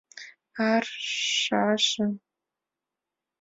Аршашым, —